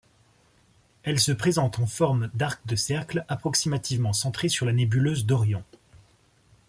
Elle se présente en forme d'arc de cercle approximativement centré sur la nébuleuse d'Orion.